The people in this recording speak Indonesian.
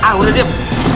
ah udah diam